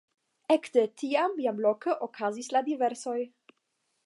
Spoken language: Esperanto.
Ekde tiam jam loke okazis la diservoj.